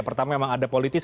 pertama memang ada politis